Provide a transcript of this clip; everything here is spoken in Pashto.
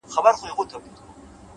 پر ځان کار کول غوره پانګونه ده’